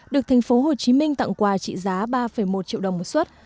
được tp hcm tặng quà trị giá ba một triệu đồng một xuất